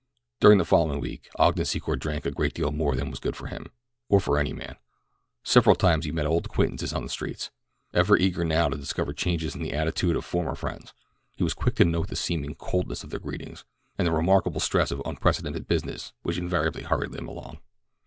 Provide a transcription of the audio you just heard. During the following week Ogden Secor drank a great deal more than was good for him, or for any man. Several times he met old acquaintances on the streets. Ever eager now to discover changes in the attitude of former friends, he was quick to note the seeming coldness of their greetings, and the remarkable stress of unprecedented business which invariably hurried them along.